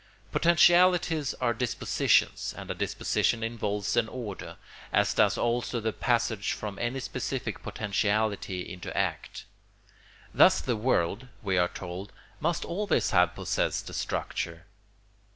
Potentialities are dispositions, and a disposition involves an order, as does also the passage from any specific potentiality into act. Thus the world, we are told, must always have possessed a structure.